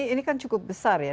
ini kan cukup besar ya